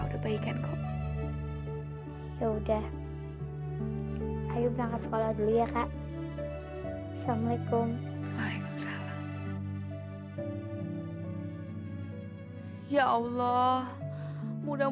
terima kasih ya bang